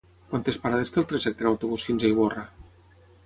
Quantes parades té el trajecte en autobús fins a Ivorra?